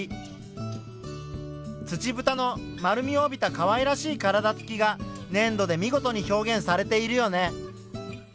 ツチブタの丸みを帯びたかわいらしい体つきがねん土で見事に表現されているよね。